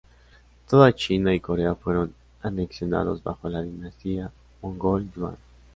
Toda China y Corea fueron anexionadas bajo la dinastía Mongol Yuan.